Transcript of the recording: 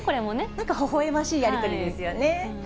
なんかほほえましいやり取りですよね。